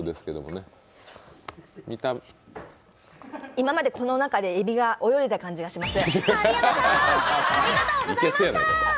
今までこの中で、えびが泳いでた感じがします。